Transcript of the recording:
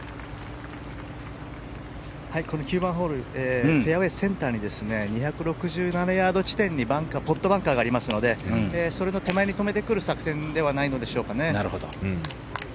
この９番ホールはフェアウェーセンターに２６７ヤード地点にポットバンカーがありますのでそれの手前に止めてくる作戦ではないのでしょうかね。